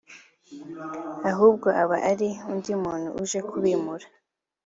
ahubwo aba ari undi muntu uje kubimura